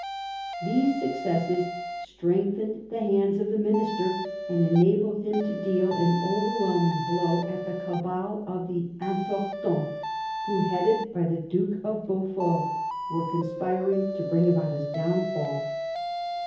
These successes strengthened the hands of the minister and enabled him to deal an overwhelming blow at the cabal of the Importants, who, headed by the Duke of Beaufort, were conspiring to bring about his downfall.